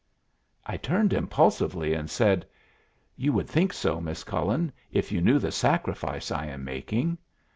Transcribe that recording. I turned impulsively, and said, "You would think so, Miss Cullen, if you knew the sacrifice I am making."